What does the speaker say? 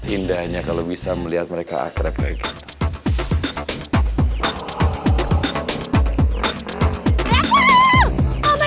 indahnya kalo bisa melihat mereka akrab kayak gitu